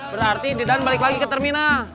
berarti didan balik lagi ke terminal